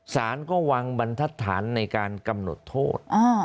สารก็วางบรรทัศนในการกำหนดโทษ